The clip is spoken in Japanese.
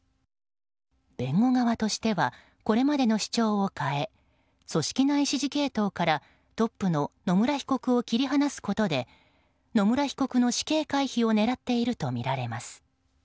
弁護側としてはこれまでの主張を変え組織内指示系統からトップの野村被告を切り離すことで野村被告の死刑回避を狙っているとみられます。